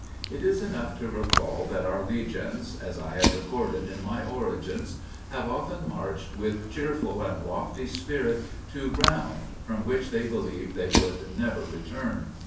It is enough to recall that our legions (as I have recorded in my Origins) have often marched with cheerful and lofty spirit to ground from which they believed that they would never return.